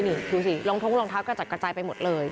นี่ดูสิรองท้องรองเท้ากระจัดกระจายไปหมดเลย